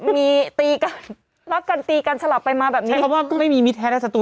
มีตีกันรักกันตีกันสลับไปมาแบบนี้ใช้คำว่าไม่มีมิตรแท้และสตู